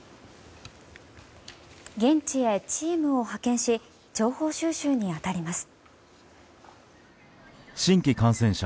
現地へチームを派遣し情報収集に当たります。